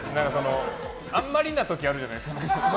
あんまりな時あるじゃないですか。